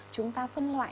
chúng ta phân loại